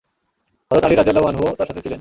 হযরত Ali রাযিয়াল্লাহু আনহুও তার সাথে ছিলেন।